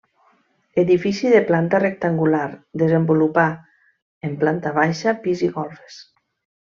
Edifici de planta rectangular desenvolupar en planta baixa, pis i golfes.